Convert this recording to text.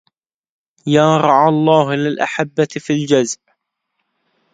يا رعى الله للأحبة في الجزع